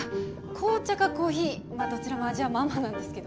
紅茶かコーヒーどちらも味はまあまあなんですけど。